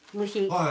はい。